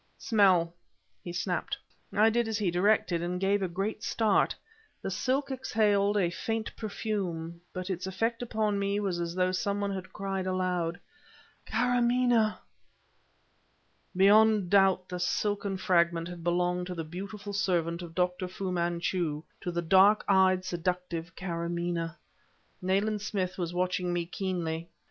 "Smell!" he snapped. I did as he directed and gave a great start. The silk exhaled a faint perfume, but its effect upon me was as though some one had cried aloud: "Karamaneh!" Beyond doubt the silken fragment had belonged to the beautiful servant of Dr. Fu Manchu, to the dark eyed, seductive Karamaneh. Nayland Smith was watching me keenly.